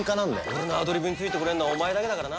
「俺のアドリブについてこれんのはお前だけだからな」